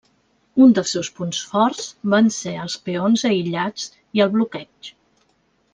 Un dels seus punts forts van ser els peons aïllats i el bloqueig.